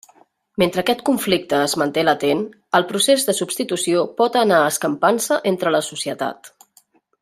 Mentre aquest conflicte es manté latent, el procés de substitució pot anar escampant-se entre la societat.